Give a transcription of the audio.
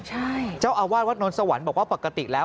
ใช่เจ้าอาวาสวัดนวลสวรรค์บอกว่าปกติแล้ว